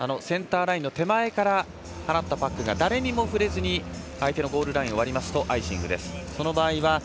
センターラインの手前から放ったパックが誰にも触れずに相手のゴールラインを割りますとアイシングです。